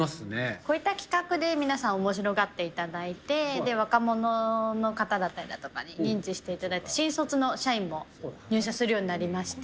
こういった企画で皆さん、おもしろがっていただいて、若者の方だったりだとかに認知していただいて、新卒の社員も入社するようになりまして。